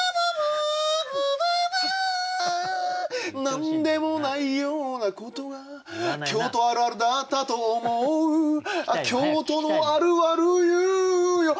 何でもないような事が京都あるあるだったと思う京都のあるある言うよ